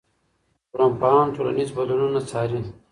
ټولنپوهان ټولنیز بدلونونه څاري.